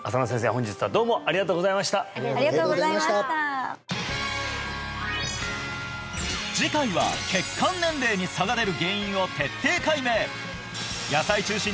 本日はどうもありがとうございましたありがとうございました次回は血管年齢に落とし穴とは？